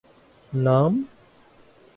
نام؟